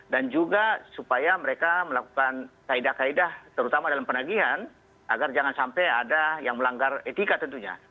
dan juga supaya mereka melakukan kaedah kaedah terutama dalam penagihan agar jangan sampai ada yang melanggar etika tentunya